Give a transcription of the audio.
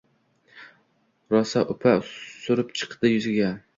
Rosa upa surib chiqdi yuziga.